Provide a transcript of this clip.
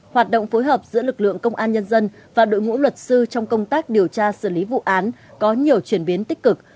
hoạt động phối hợp giữa lực lượng công an nhân dân và đội ngũ luật sư trong công tác điều tra xử lý vụ án có nhiều chuyển biến tích cực